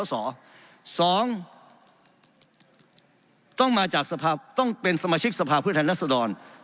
สองต้องมาจากสภาพต้องเป็นสมาชิกสภาพผู้แทนรัศดร